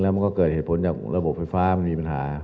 มันก็เกิดเหตุผลจากระบบไฟฟ้ามันมีปัญหา